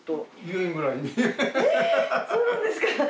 えぇそうなんですか。